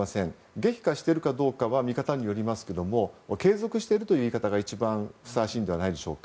激化しているかどうかは見方によりますけれども継続しているという言い方が一番ふさわしいのではないでしょうか。